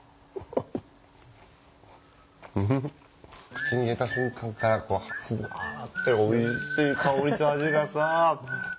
口に入れた瞬間からふわっておいしい香りと味がさ。